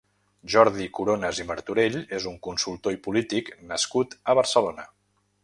Jordi Coronas i Martorell és un consultor i polític nascut a Barcelona.